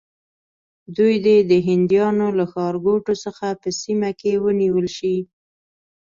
دوی دې د هندیانو له ښارګوټو څخه په سیمه کې ونیول شي.